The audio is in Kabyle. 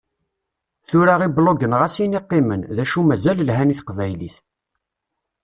Tura iblugen ɣas ini qqimen, d acu mazal lhan i teqbaylit.